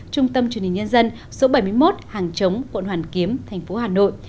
trung tâm truyền hình nhân dân số bảy mươi một hàng chống quận hoàn kiếm thành phố hà nội